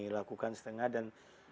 lakukan setengah dan